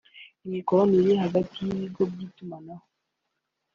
Imikoranire hagati y’ibigo by’itumanaho